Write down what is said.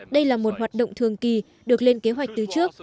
đây là một hoạt động thường kỳ được lên kế hoạch từ trước